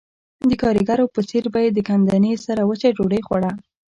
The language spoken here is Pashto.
د ګاریګرو په څېر به یې د ګندنې سره وچه ډوډۍ خوړه